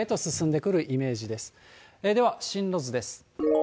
では、進路図です。